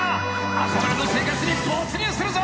［憧れの生活に没入するぞ］